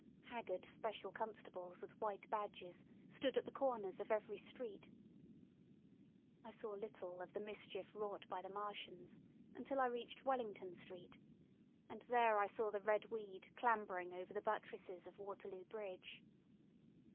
Haggard special constables with white badges stood at the corners of every street. I saw little of the mischief wrought by the Martians until I reached Wellington Street, and there I saw the red weed clambering over the buttresses of Waterloo Bridge.